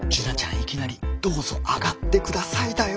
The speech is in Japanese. いきなり「どうぞ上がって下さい」だよ？